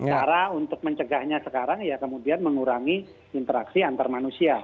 cara untuk mencegahnya sekarang ya kemudian mengurangi interaksi antar manusia